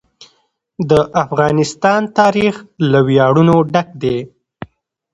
د افغانستان تاریخ له ویاړونو ډک دی.